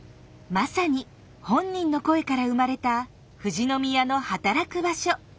まさに本人の声から生まれた富士宮の働く場所。